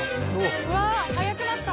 うわ速くなった。